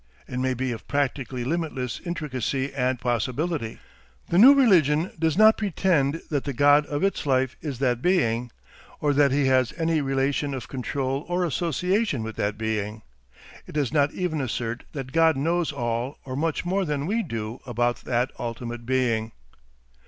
It may be of practically limitless intricacy and possibility. The new religion does not pretend that the God of its life is that Being, or that he has any relation of control or association with that Being. It does not even assert that God knows all or much more than we do about that ultimate Being.